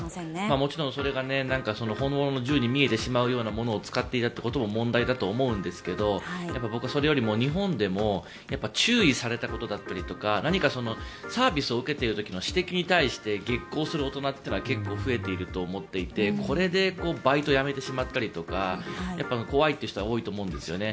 もちろんそれが本物の銃に見えてしまうようなものを使っていたことも問題だと思うんですが僕はそれよりも、日本でも注意されたことだったりとか何かサービスを受けている時の指摘に対して激高する大人っていうのが結構増えていると思っていてこれでバイトをやめてしまったりとか怖いという人は多いと思うんですね。